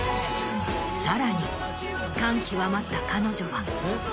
さらに感極まった彼女は。